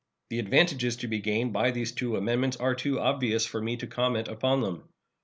The advantages to be gained by these two amendments are too obvious for me to comment upon them.